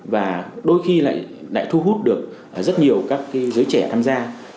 và đôi khi lại đã thu hút được rất nhiều các giới trẻ tham gia